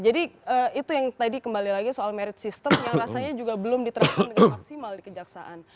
jadi itu yang tadi kembali lagi soal merit sistem yang rasanya juga belum diterapkan dengan maksimal di kejaksaan